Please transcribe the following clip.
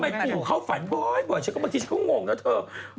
ทำไมปูเข้าฝันบ่อยบางทีฉันก็งงนะเถอะ